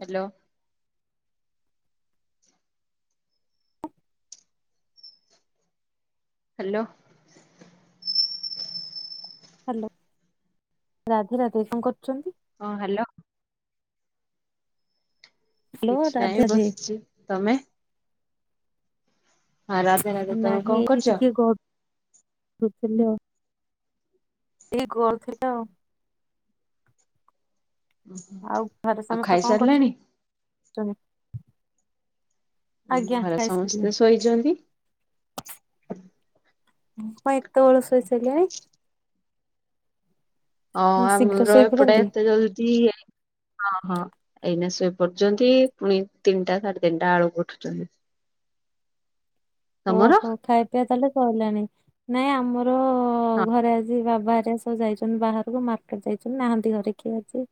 Hello hello. Hello Radhe Radhe କଣ କରୁଛନ୍ତି ହଁ ହ୍ୟାଲୋ। ହ୍ୟାଲୋ କିଛି ରାଧେ ନାହିଁ ରାଧେ ବସିଛି ତମେ ହଁ ରାଧେ ରାଧେ ତମେ କଣ ନାହିଁ ଯେ କରୁଛ? ଟିକେ ଗ [unintelligible] ଏଇ [unintelligible] ଆଉ ଘରେ ଆଉ ସମସ୍ତେ କଣ ଖାଇସାରିଲାଣି କରୁଛନ୍ତି [unintelligible] ଘରେ ଖାଇସାରିଲିଣି। ସମସ୍ତେ ଶୋଇଛନ୍ତି। କଣ ଏତେ ବେଳୁ ଷୋଇ ସାଇଲେଣି ହଁ ନା ଶୀଘ୍ର ଆମର ଏପଟେ ଶୋଇପଡନ୍ତି? ଏତେ ଜଲଦି ହଁ ହଁ ଏଇନା ଶୋଇପରୁୁଛନ୍ତି ପୁଣି ତିନିଟା ସାଢେ ତିନିଟା ଆଳକୁ ଉଠୁଛନ୍ତି। ତମର ଓହୋ ଖାଇ ପିଇବା ତାହେଲେ ସରିଲାଣି ନାଇଁ ଆମର ହଁ ଘରେ ଆଜି ବାବାହାରେ ଯାଇଛନ୍ତି ବାହାରକୁ ମାର୍କେଟ ଯାଇଛନ୍ତି ନାହାନ୍ତି ଘରେ କିଏ ଆଜି।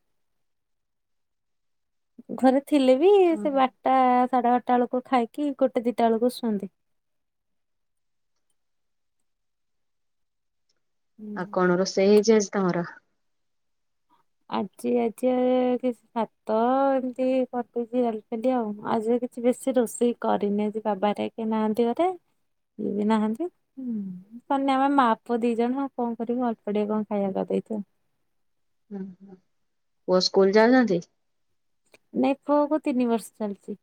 ଘରେ ଥିଲେ ବି ସେ ଓହୋ। ବାରଟା ସାଢେ ବାରଟା ବେଳକୁ ଖାଇକି ଗୋଟେ ଦିଟା ବେଳକୁ ଶୁଅନ୍ତି। ଆଉ କଣ ରୋଷେଇ ହେଇଛି ଆଜି ତମର? ଆଜି ଆଜି କି ସାତ ଏମିତି କଟଛି ଚାଲିି ଆଉ ଆଜି ବେଶୀ ରୋଷେଇ କରିନି ଆ ଯେ ବାବାଟା କିଏ ନାହାନ୍ତି ଘରେ। ଏଇବେ ନାହାନ୍ତି ହୁଁ କ ଆମେ ମା ପୁଅ ଦି ଜଣ କଣ କରିବୁ ଅଳ୍ପ ଟିକେ କଣ ଖାଇବାକୁ ଦେଇଥାଉ। ହଁ ହଁ ପୁଅ ସ୍କୁଲ ଯାଉଛନ୍ତି? ନାଇଁ ପୁଅକୁ ତିନି ବର୍ଷ ଚାଲିଛି।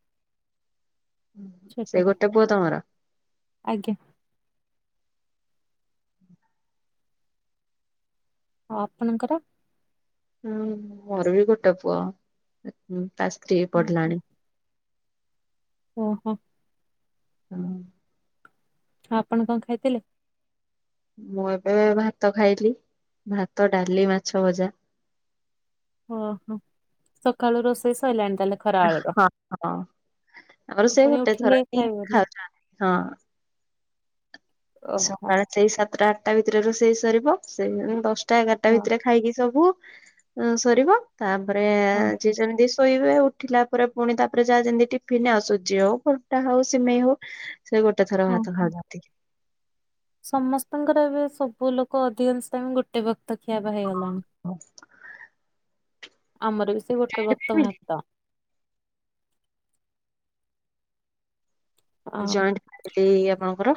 ସେ ଛୋଟ ଟା ଗୋଟେ ପୁଅ ତମର? ଆଜ୍ଞା। ଆଉ ଆପଣଙ୍କର? ହୁଁ ମୋର ବି ଗୋଟେ ପୁଅ ତା ସ୍ତ୍ରୀ ଓହୋ ପଢିଲାଣି। ଓହୋ। ହଁ। ଆପଣ କଣ ଖାଇଥିଲେ? ମୁଁ ଏବେ ଭାତ ଖାଇଲି ଭାତ ଡାଲି ମାଛ ଭଜା। ଓହୋ ସକାଳୁ ରୋଷେଇ ସରିଲାଣି ତାହା ହେଲେ। ହଁ ହଁ ଆମର ସେ ପୁଣି ଗୋଟେ ଉଠିଲେ ଥର ହିଁ ଖାଇବେ ନା ଖାଉଛ ନ୍ତି ହଁ। ଓହୋ ସକାଳ ସେଇ ସାତଟା ଆଠଟା ଭିତରେ ସେଇ ସରିବ ସେଇ ଦଶଟା ଏଗାରଟା ହଁ ଭିତରେ। ଖାଇକି ସବୁ ସରିବ ତାପରେ ହଁ ଯିଏ ଯେମିତି ଶୋଇବେ। ଉଠିଲା ପରେ ପୁଣି ତାପରେ ଯାହା ଯେମିତି ଟିଫିିନ ଆସୁଜି ହଉ ଖଲଟା ହଉ ସିମେଇ ହଉ। ସେ ଗୋଟେ ଥର ହଁ ଭାତ ହଁ। ଖାଆନ୍ତି। ସମସ୍ତଙ୍କର ଏବେ ସବୁ ଲୋକ ଅଧିକାଂଶ ଗୋଟେ ବକ୍ତ ଖିଆ ପିଆ ହେଇଗଲେଣି। ହ। ଆମର ବି ସେ ଗୋଟେ ବକ୍ତ ଭାତ। ଆଉ ଜଏଣ୍ଟ ଫ୍ୟାମିଲି ଆପଣଙ୍କର?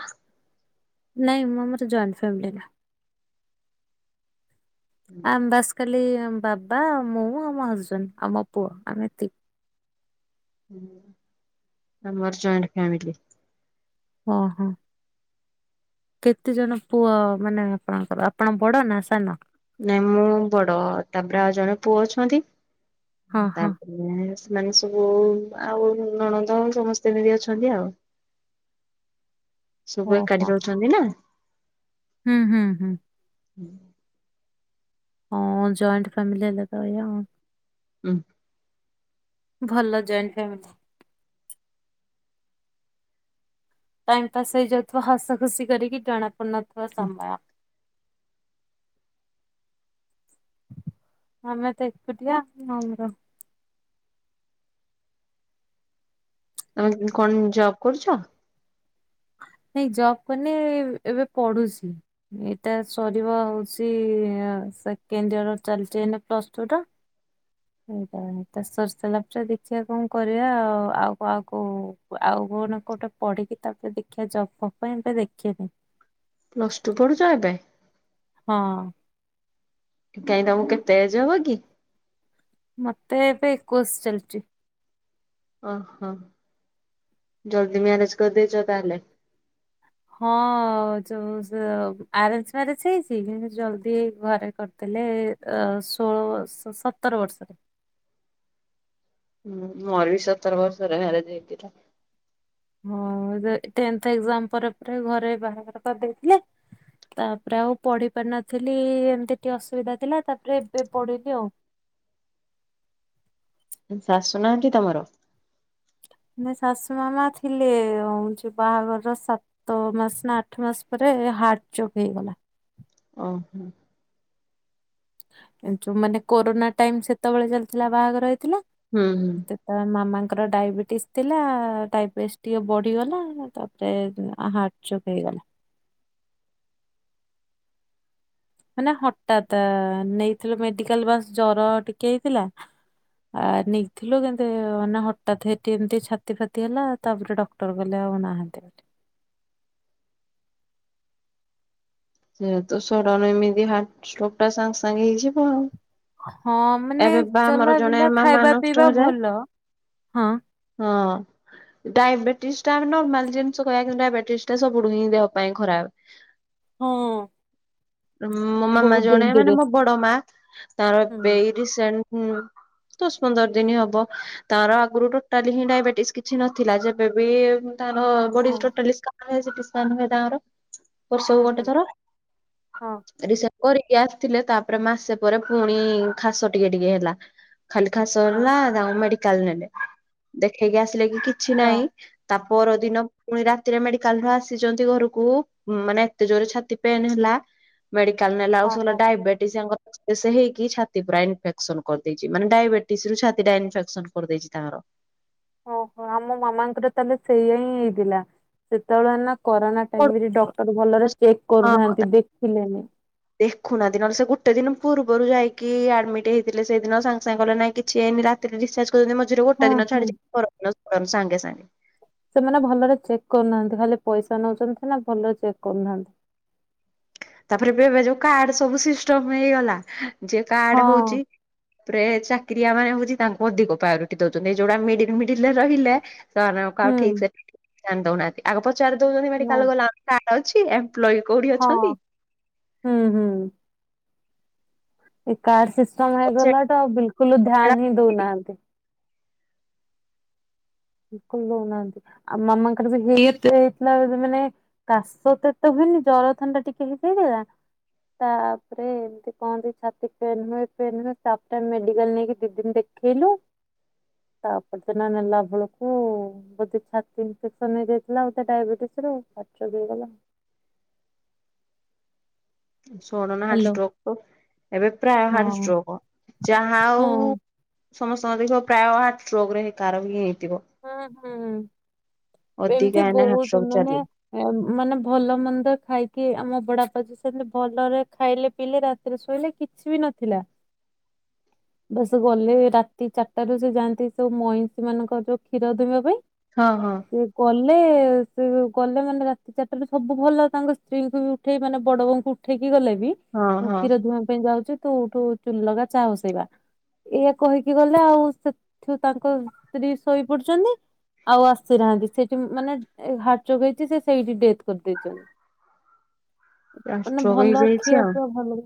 ନାଇଁ ଆ ମମର ଜଏଣ୍ଟ ଫ୍ୟାମିଲ ନାଇ। ଆମ ବାସ ଖାଲି ବାବା ଆଉ ମୁଁ ଆଉ ମ ହଜବେଣ୍ଡ ଆଉ ମୋ ପୁଅ ଆମ ଏତିକି। ଆମର ଜଏଣ୍ଟ ଫ୍ୟାମିଲି। ଓହୋ। କେତେ ଜଣ ପୁଅ ମାନେ ଆପଣଙ୍କର ଆପଣ ବଡ ନା ସାନ। ନାଇଁ ମୁଁ ବଡ ତାପରେ ଆଉ ଜଣେ ପୁଅ ଅଛନ୍ତି। ହଁ ହଁ ତାପ୍ ରେ ସେମାନେ ସବୁ ଆଉ ନଣନ୍ଦ ସମସ୍ତେ ଏମିତି ଅଛନ୍ତି ଆଉ। ସବୁ ଓହୋ ଏକାଠି ରହୁଚନ୍ତି ନା। ହୁଁ ହୁଁ ହୁଁ। ହୁଁ ଓଁ ଜଏଣ୍ଟ ଫ୍ୟାମିଲି ହେଲେ ତ ଏୟା। ହୁଁ। ଭଲ ଜଏଣ୍ଟ ଫ୍ୟାମିଲି। ଟାଇମ ପାସ୍ ହେଇଯାଉଥିବ ହସ ଖୁସି କରିକି, ଜଣା ପଡୁନଥିବ ହୁଁ ସମୟ। ଆମେ ତ ଏକୁଟିଆ ଆ ଆମର ଆ କଣ ଜବ କରୁଛ? ନାଇଁ ଜବ୍ କରିନି ଏବେ ପଢୁଚି। ଏଇ ତା ସରିବ ହଉଚି ସେକେଣ୍ଡ ଇୟର ଚାଲିଚି ଏଇନେ ପ୍ଲସ ଟୁ ଟା। ଏଇଟା ସର୍ଷ ସାରିଲା ପରେ ଦେଖିବା କଣ କରିବା ଆଉ କହାକୁ ଆଉ କୋଉ ନା କୋଉଟେ ପଢିକି ତାପରେ ଦେଖିବା ଜବ ଫବ ପାଇଁ ଏବେ ଦେଖିବେନି। ପ୍ଲସ ଟୁ ପଢୁଚ ଏବେ? ହଁ। କାଇହିଁ ତମକୁ କେତେ ଏଜ ହବ କି? ମତେ ଏବେ ଏକୋଇସ ଚାଲିଚି। ଓହୋ ଜଲ୍ଦି ମ୍ୟାରେଜ କରିଦେଇଚ ତାହେଲେ। ହଁ ଯୋଉ ଜ ଆରେଞ୍ଜ ମ୍ୟାରେଜ ହେଇଚି କିନ୍ତୁ ଜଲଦି ଘରେ କର୍ ତା ହେଲେ ଷୋହଳ ସ ସତର ବର୍ଷରେ ହୁଁ ମୋର ବି ସତର ବର୍ଷରେ ମ୍ୟାରେଜ ହେଇଥିଲା। ହଁ ସେ ଟେନଥ ଏକଯାମ ପରେ ପରେ ଘରେ ବାହାଘର କରିଦେଇଥିଲେ। ତାପରେ ଆଉ ପଢି ପାରିନଥିଲି ଏମିତି ଟିକେ ଅସୁବିଧା ଥିଲା ତାପରେ ଏବେ ପଢିଲି ଆଉ। ଉ ଶାଶୁ ନାହାନ୍ତି ତମର? ନା ଶାଶୁ ମାମା ଥିଲେ ହଉଚି ବାହାଘରର ସାତ ତ ମାସ ନା ଆଠ ମାସ ପରେ ହାର୍ଟ ଚକ୍ ହେଇଗଲା। ଓହୋ। ଯୋଉ ମାନେ କୋରୋନା ଟାଇମ ସେତେବେଳେ ଚାଲିଥିଲା ବାହାଘର ହେଇଥିଲା। ହୁଁ ହୁଁ। ତ ମାମାଙ୍କର ଡାଇବେଟିସ୍ ଥିଲା। ଡାଇବେଟିସ୍ ଟିକେ ବଢ଼ିଗଲା। ତାପରେ ହାର୍ଟ ଚୋକ ହେଇଗଲା। ମାନେ ହଠାତ ନେଇଥିଲୁ ମେଡିକାଲ ବାସ ଜର ଟିକେ ହେଇଥିଲା ଆ ନେଇଥିଲୁ କିନ୍ତୁ ମାନେ ହଠାତ୍ ହେଠି ଏମିତି ଛାତି ଫାତି ହେଲା ତାପରେ ଡକ୍ଟର ଗଲେ ଆଉ ନାହାନ୍ତି ବୋଲି। ସେ ତ ସଡନ ଏମିତି ହାଟ ଷ୍ଟୋକ୍ ଟା ସାଙ୍ଗେ ସାଙ୍ଗେ ହେଇଯିବ ଆଉ। ହଁ ମାନେ ଏବେ ବା ଆମର ଜଣେ ଚଲାବୁଲା ମାମା ଖାଇବା ନଷ୍ଟ ପିଇବା ହେଲେ। ଭଲ ହଁ। ହଁ। ଡାଇବେଟିସ୍ ଟା ଆମେ ନର୍ମାଲ ଜିନିଷ କହିବା କିନ୍ତୁ ଡାଇବେଟିସ୍ ଟା ସବୁ ହିଁ ଦେହ ପାଇଁ ଖରାପ୍। ହଁ। ମୋ ମାମା ବହୁତ ଜଣେ ମାନେ ମୋ ଡେଞ୍ଜରିୟସ୍। ବଡ ମା ତାର ଏବେ ହୁଁ ଏଇ ରିସେଣ୍ଟ ଦଶ ପନ୍ଦର ଦିନ୍ ହବ ତାର ଆଗରୁ ଟୋଟାଲି ହିଁ ଡାଇବେଟିସ୍ କିଛି ନଥିଲା। ଯେବେବି ତାର ବଡି ହଁ ଟୋଟାଲି ସ୍କାନ ହୁଏ ସିଟି ସ୍କାନ ହୁଏ ତାଙ୍କର। ବର୍ଷ ହୁଁ କୁ ଗୋଟେ ହୁଁ ଥର। ହଁ ରିସେ କରିକି ଆସିଥିଲେ ତାପରେ ମାସେ ପରେ ପୁଣି ଖାସ ଟିକେ ଟିକେ ହେଲା। ଖାଲି ଖାସ ହଁ ହେଲା ହଁ ତାକୁଟ ମେଡିକାଲ ନେଲେ। ଦେଖେଇକି ଆସିଲେ କି କିଛି ହଁ ନାହିଁ। ତା ପର ଦିନ ପୁଣି ରାତିରେ ମେଡିକାଲ ରୁ ଆସିଚନ୍ତି ଘରକୁ ମାନେ ଏତେ ଜୋରେ ଛାତି ପେନ୍ ହେଲା ମେଡିକାଲ ନେଲା ବେଳକୁ ହଁ। ସେ କହିଲା ହଁ। ଡାଇବେଟିସ୍ [unintelligible] ହେଇକି ଛା ତି ପୁରା ଇନଫେକ୍ସନ କରିଦେଇଚି। ମାନେ ଡାଇବେଟିସ ରୁ ଛାତି ଟା ଇନଫେକ୍ସନ କରିଦେଇଚି ତାଙ୍କର। ଓହୋ। ଆମ ମାମାଙ୍କର ତାହେଲେ ସେଇଆ ହିଁ ହେଇଥିଲା। ସେତେବେଳେ ନା କରୋନା ହଁ ଏମିତି ଡକ୍ଟର ଭଲରେ ଚେକ୍ କରୁନାହାନ୍ତି ଦେଖିଲେନି। ଦେଖୁନାହାନ୍ତି ନହେଲେ ସେ ଗୋଟେ ଦିନ ପୂର୍ବରୁ ଯାଇକି ଆଡମିଟ୍ ହେଇଥିଲେ ସେଇଦିନ ସାଙ୍ଗେ ସାଙ୍ଗେ କଲେ ନାଇଁ କିଛି ହେଇନି ରା ତି ରେ ଡିସ୍ଚାର୍ଜ କରିଛନ୍ତି ମଝିରେ ଗୋଟେ ହଁ ଦିନ ହଁ ଛାଡି [unintelligible] ସାଙ୍ଗେ ସାଙ୍ଗେ। ସେମାନେ ଭଲରେ ଚେକ୍ କରୁନାହାନ୍ତି। ଖାଲି ପଇସା ନଉଛନ୍ତି ସିନା ଭଲରେ ଚେକ୍ କରୁନାହାନ୍ତି। ତାପରେ ଏବେ ଏବେ ଯୋଉ କାର୍ଡ ସବୁ ସିଷ୍ଟମ ହେଇଗଲା, ଯେ କାର୍ଡ ହଁ ହଉଚି ରେ ଚାକିରିଆ ମାନେ ହଉଚି ତାଙ୍କୁ ଅଧିକ ପ୍ରାୟୋରିଟି ଦଉଛନ୍ତି। ଏଇ ଯୋଉରା ମିଡିଲ ମିଡିଲ ରେ ରହିଲେ ସେମାନେ ଆଉ ହୁଁ କାହାକୁ ଠିକ ସେ [unintelligible] ଦଉନାହାନ୍ତି। ଆଗ ପଚାରି ଦଉଛନ୍ତି ନା ମେଡିକାଲ ଗଲେ ମାନେ କାର୍ଡ ଅଛି। ଏମ୍ପ୍ଲୟି କୋଉଠି ହଁ ଅଛନ୍ତି ହୁଁ ହୁଁ। ଏ କାର୍ଡ ସିଷ୍ଟମ ହେଇଗଲା ଠୁ ଆଉ ବିଲକୁଲ ଧ୍ୟାନ୍ ହିଁ ଦଉନାହାନ୍ତି। ବିଲକୁଲ ଦଉନାହାନ୍ତି। ଆଉ ମାମାଙ୍କର ବି ହେଇ ଏତେ ହେଇଥିଲା ଯେତେ ମାନେ କାଶ ତ ଏତେ ହୁଏନି ଜର ଥଣ୍ଡା ଟିକେ ହେଇଯାଇଥିଲା ତାପରେ ଏମିତି କହନ୍ତି ଛାତି ପେନ୍ ହୁଏ ପେନ୍ ହୁଏ ତାପରେ ମେଡିକାଲ ନେଇକି ଦି ଦିନି ଦେ ଦେଖେଇଲୁ। ତାପରେ ତ। [unintelligible] ବୋଧେ ଛାତି ଇନଫେକ୍ସନ ହେଇଯାଇଥିଲା ଆଉ ତା ଡାଇବେଟିସ ରୁ ହାର୍ଟ ଚୋକ୍ ହେଇଗଲା। Sudden heart hello stroke. ଏବେ ପ୍ରାୟ ହାର୍ଟ ହଁ ଷ୍ଟ୍ରୋକ। ଯାହା ହଁ ହଉ ସମସ୍ତଙ୍କ ଦେଖିବ ପ୍ରାୟ ହାର୍ଟ ଚୋକ୍ ରେ ହିଁ କାହାର ବିି ହେଇଥିବ। ହୁଁ ହୁଁ। ଅଧିକା ଏମତି ଏଇନା ହାର୍ଟ ବହୁତ୍ ଷ୍ଟ୍ରୋକ ମାନେ ଚାଲିଛି ମାନେ ଭଲ ମନ୍ଦ ଖାଇକି ଆମ ବଡ ବାପା ଯିଏ ସେମିତି ଭଲରେ ଖାଇଲେ ପିଇଲେ ରା ଯେତବେଳେ ଶୋଇଲେ କିଛି ବି ନଥିଲା। [unintelligible] ଗଲେ ରାତି ଚାରିଟା ରୁ ସେ ଯାଆନ୍ତି ସେ ମଇଁଷି ମାନଙ୍କର ଯୋଉ କ୍ଷୀର ଦୁହିଁବା ପାଇଁ। ହଁ ହଁ। ସେ ଗଲେ ସେ ଗଲେ ମାନେ ରାତି ଚାରିଟାରୁ ସବୁ ଭଲ ତାଙ୍କ ସ୍ତ୍ରୀଙ୍କୁ ବି ଉଠେଇ ମାନେ ବଡ ବୋଉଙ୍କୁ ଉଠେଇକି ଗଲେ ବି, ହଁ ମୁଁ ହଁ କ୍ଷୀର ଦୁହିଁବା ପାଇଁ ଯାଉଚି ତୁ ଉଠୁ ଚୁଲି ଲଗା ଚାହା ବସେଇବା। ଏଇଆ କହିକି ଗଲେ ଆଉ ସେଠୁ ତାଙ୍କ ସ୍ତ୍ରୀ ଶୋଇପଡିଛନ୍ତି। ଆଉ ଆସିନାହାନ୍ତି। ସେଠି ମାନେ ହାର୍ଟ ଚୋକ୍ ହେଇଚି ସେ ସେଇଠି ଡେଥ୍ କରିଦେଇଛନ୍ତି। ମାନେ ଷ୍ଟ୍ରୋକ ଭଲ ହେଇଯାଇଛି ଖିଆ ଆଉ ପିଆ ଭଲ ନାହିଁ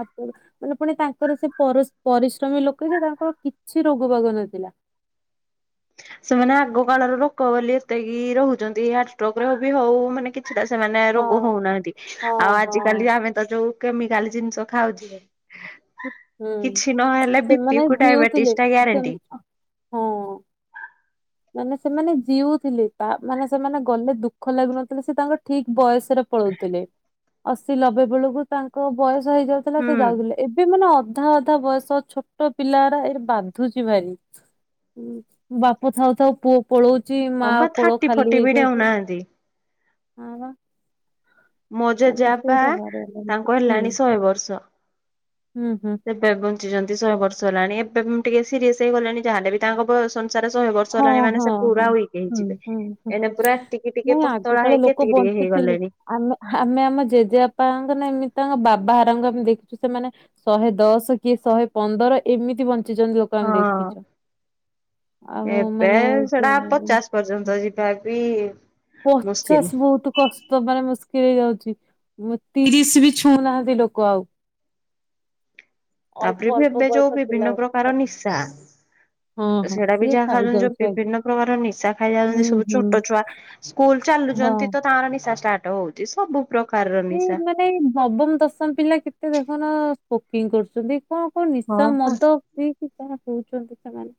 ଆଜି। ମାନେ ପୁଣି ତାଙ୍କର ସେ ପରିଶ୍ରମୀ ଲୋକେ ଯେ ତାଙ୍କର କିଛି ରୋଗ ବାଗ ନଥିଲା। ସେମାନେ ଆଗ କାଳର ଲୋକ ବୋଲି ଏତେକି ରହୁଛନ୍ତି ହାର୍ଟଷ୍ଟ୍ରୋକରେ ବି ହଉ ମାନେ କେ ସେଟା ସେମାନେ ହଁ ରୋଗ ହଉନାହାନ୍ତି ହଁ ଆଉ ହଁ ଆଜିକାଲି ଆମେ ତ ଯୋଉ କେମିକାଲ ଜିନିଷ ଖାଉଛି। ହୁଁ କିଛି ନହେଲେ ବି ପି ସେମାନେ କୁ ଜିଉଥିଲେ। ଡାଇବେଟିସ ଟା ସେମ୍ ଗ୍ୟାରେଣ୍ଟି। ହଁ ମାନେ ସେମାନେ ଜିଉଥିଲେ ମାନେ ସେମାନେ ଗଲେ ଦୁଃଖ ଲାଗୁନଥିଲେ ସେ ତାଙ୍କର ଠିକ ବୟସ ରେ ପଳଉଥିଲେ ଅଶୀ ନବେ ବେଳକୁ ତାଙ୍କ ବୟସ ହେଇଯାଉଥିଲା ହୁଁ ସେ ଯାଉଥିଲେ। ଏବେ ମାନେ ଅଧା ଅଧା ବୟସ ଛୋଟ ପିଲାଗୁରା ଏ ବାଧୁଛି ଭାରି ବାପ ଥାଉ ଥାଉ ପୁଅ ପଳଉଛି ହଁ ମା ବା କୋଳ ଥାର୍ଟି ଖାଲି ଫୋର୍ଟି ବି ହେଇଯାଉଛି। ଡେଉଁନାହାନ୍ତି ହଁ ବା। ମୋ ଜେଜେ ମାନେ ବାପା ସେଇଟା ଭାରି ଅବାଗିଆ ତାଙ୍କ ହୁଁ ହେଲାଣି ଶହେ ବର୍ଷ। ହୁଁ ହୁଁ। ଏବେ ବଞ୍ଚିଛନ୍ତି ଶହେ ବର୍ଷ ହେଲାଣି ଏବେ ମୁଁ ଟିକେ ସିରିଏସ ହେଇଗଲାଣି ଯାହାେଲେ ବି ତାଙ୍କ ବୟସ ଶହେ ବର୍ଷ ହେଲାଣି ହଁ ମାନେ ହଁ ପୁରା ହଁ। ୱିକ୍ ହୁଁ ହେଇଯିବେ ହୁଁ ହୁଁ ଏନେ ପୁରା ଏତିକି ଟିକେ ନାଇଁ ଆଗ ପତଳା କାଳେ ହେଇକି ଲୋକ ଏତିକି ଟିକେ ବଞ୍ଚୁଥିଲେ। ହେଇଗଲେଣି। ଆମେ ଆମେ ଆମ ଜେଜେବାପାଙ୍କ ନା ଏମିତି ତାଙ୍କ ବାବାହାରଙ୍କ ଆମେ ଦେଖିଛୁ ସେମାନେ ଶହେ ଦଶ କି ଶହେ ପନ୍ଦର ଏମିତି ବଞ୍ଚିଛନ୍ତି ଲୋକ ଆମେ ହଁ ଦେଖିଛୁ? ଆଉ ଏବେ ମାନେ ସେଟା ପଚାଶ ପର୍ଯ୍ୟନ୍ତ ଯିବା ବି ମୁସ୍କିଲ। ପଚାସ୍ ବହୁତ କସ୍ ତ ମାନେ ମୁସ୍କିଲ ହେଇଯାଉଛି ତିରିଶ ବି ଛୁଉଁନାହାନ୍ତି ଲୋକ ଆଉ ତାପରେ ଅଳ୍ପ ବି ଅଳ୍ପ ଏବେ ଯୋଉ ବୟସ ପିଲା ବିଭିନ୍ନ ଗୁଡା। ପ୍ରକାର ନିଶା ହଁ ହଁ ସେଇଟା ବି ସିଏ ଯାହା ଖାଉଛନ୍ତି ଯୋଉ ଖାଇଯାଉଛି ଆଜ୍ଞା। ବିଭିନ୍ନ ପ୍ରକାର ନିଶା ଖାଇଯାଉଛନ୍ତି ହୁଁ ସବୁ ହୁଁ। ଛୋଟ ଛୁଆ ଯି ସ୍କୁଲ ହଁ। ଚାଲୁଛନ୍ତି ତ ତାର ନିଶା ଷ୍ଟାର୍ଟ ହଉଛି ସବୁ ପ୍ରକାରର ଏଇ ନିଶା। ମାନେ ନବମ ଦଶମ ପିଲା କେତେ ଦେଖୁନ ସ୍ମୋକିଂ କରୁଛନ୍ତି। କଣ କଣ ହଁ ନିଶା ପା। ମଦ ପିଇକି ଯାହା ହଉଛନ୍ତି ସେମାନେ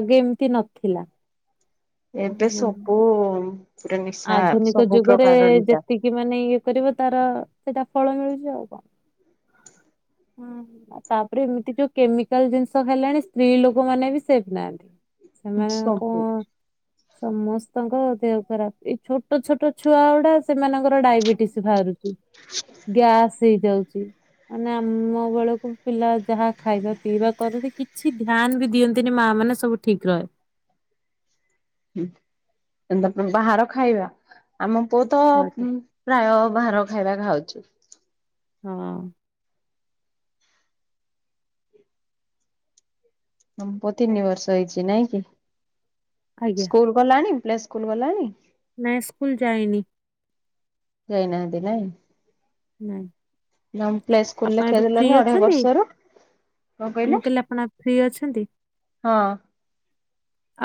ଆଗେ ଏମିତି ନଥିଲା। ଏବେ ଆଉ ସବୁ ପୁରା ନିଶା ସବୁ ପ୍ରକାରର ନିଶା। କି ମାନେ ଇଏ କରିବ ତାର ସେଇଟା ଫଳ ମିଳୁଛି ଆଉ କଣ ହଁ। ଆଉ ତାପରେ ଏମିତି ଯୋଉ କେମିକାଲ ଜିନିଷ ଖାଇଲାଣି ସ୍ତ୍ରୀ ଲୋକ ମାନେ ବି ସେଫ ନାହାନ୍ତି। ସେମାନେ କଣ ସବୁ। ସମସ୍ତଙ୍କ ଦେହ ଖରାପ। ଏଇ ଛୋଟ ଛୋଟ ଛୁଆ ଗୁଡା ସେମାନଙ୍କର ଡାଇବେଟିସ ବାହାରୁଛି ଗ୍ୟାସ୍ ହେଇଯାଉଛି। ମାନେ ଆମ ବେଳକୁ ପିଲା ଯାହା ଖାଇବା ପିଇବା କରନ୍ତି କିଛି ଧ୍ୟାନ ବି ଦିଅନ୍ତିନି ମା ମାନେ ସବୁ ଠିକ୍ ରହେ। ହଁ ସେଣ ବାହାର ଖାଇବା ଆମ ପୁଅ ତ ଆଜ୍ଞା ପ୍ରାୟ ବାହାର ଖାଇବା ଖାଉଚ୍ଛି। ହଁ। ହଁ ତମ ପୁଅ ତିନି ବର୍ଷ ହେଇଛି ନାଇଁ କି ଆଜ୍ଞା ସ୍କୁଲ ଗଲାଣି ପ୍ଲେ ସ୍କୁଲ ଗଲାଣି? ନାଇଁ ସ୍କୁଲ ଯାଇନି। ଯାଇନାହାନ୍ତି ନାଇଁ। ନାଇଁ ନମ ପ୍ଲେ ସ୍କୁଲ ଆପଣ ଏବେ ଫ୍ରି ଲେଖେଇଦେଲେନି ଅଢେଇ ଅଛନ୍ତି ବର୍ଷରୁ କଣ ମୁଁ କହିଲେ କହିଲି ଆପଣ ଫ୍ରି ଅଛନ୍ତି? ହଁ।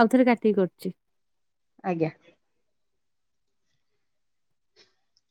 ଆଉ ଥରେ କାଟିକି କରୁଛି। ଆଜ୍ଞା।